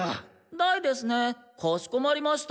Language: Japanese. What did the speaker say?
大ですねかしこまりました。